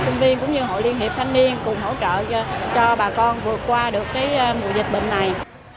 sinh viên cũng như hội liên hiệp thanh niên cùng hỗ trợ cho bà con vượt qua được mùa dịch bệnh này